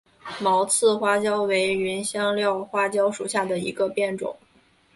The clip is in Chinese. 毛刺花椒为芸香科花椒属下的一个变种。